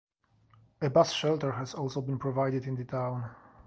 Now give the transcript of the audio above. A bus shelter has also been provided in the town.